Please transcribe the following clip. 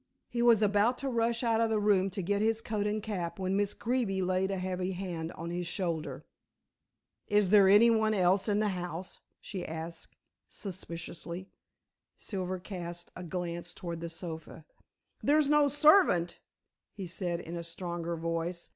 He was about to rush out of the room to get his coat and cap when Miss Greeby laid a heavy hand on his shoulder. "Is there any one else in the house?" she asked suspiciously. Silver cast a glance towards the sofa. "There's no servant," he said in a stronger voice.